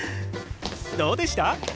どうでした？